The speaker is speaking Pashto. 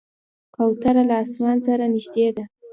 کوتره له اسمان سره نږدې ده.